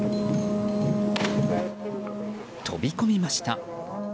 飛び込みました。